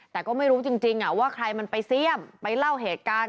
แต่ก็ไม่รู้จริงว่าใครมันไปเสี่ยมไปเล่าเหตุการณ์